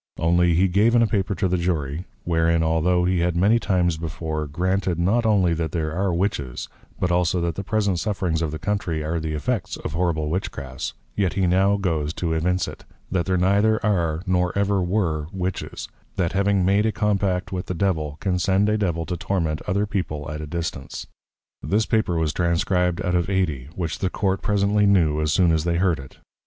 Only he gave in a Paper to the Jury; wherein, altho' he had many times before, granted, not only that there are Witches, but also, that the present Sufferings of the Country are the effects of horrible Witchcrafts, yet he now goes to evince it, _That there neither are, nor ever were Witches, that having made a Compact with the Devil, can send a Devil to Torment other people at a distance._ This Paper was Transcribed out of Ady; which the Court presently knew, as soon as they heard it.